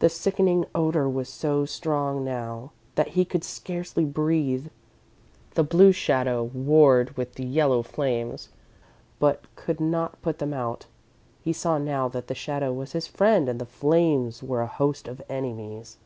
The sickening odour was so strong now that he could scarcely breathe. The blue shadow warred with the yellow flames, but could not put them out. He saw now that the shadow was his friend and the flames were a host of enemies.